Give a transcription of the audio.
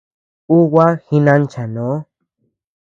Un gua jinanchanoo.